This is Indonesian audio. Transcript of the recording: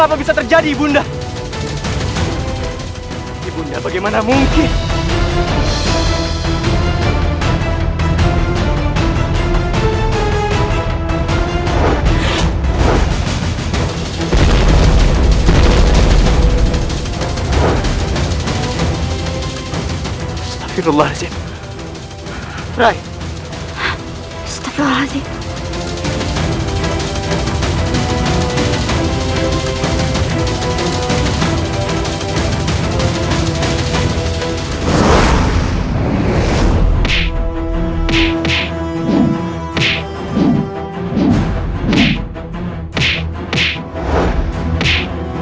astagfirullahaladzim ibu unda